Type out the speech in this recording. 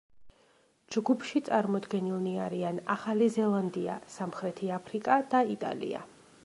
ჯგუფში წარმოდგენილნი არიან ახალი ზელანდია, სამხრეთი აფრიკა და იტალია.